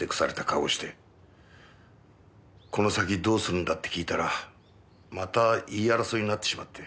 「この先どうするんだ」って聞いたらまた言い争いになってしまって。